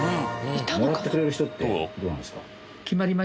もらってくれる人ってどうなんですか？